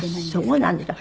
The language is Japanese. そうなんですか。